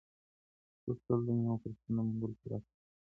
څوک تل د نويو فرصتونو د موندلو په لټه کي وي؟